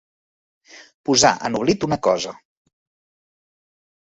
Posar en oblit una cosa.